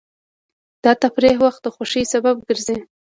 د تفریح وخت د خوښۍ سبب ګرځي.